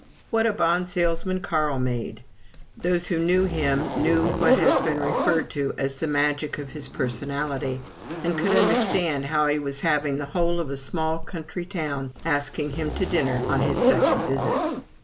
What a bond salesman Carl made! Those who knew him knew what has been referred to as "the magic of his personality," and could understand how he was having the whole of a small country town asking him to dinner on his second visit.